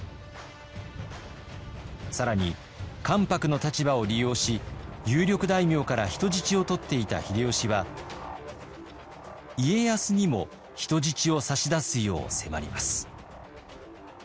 更に関白の立場を利用し有力大名から人質を取っていた秀吉は家康にも人質を差し出すよう迫ります。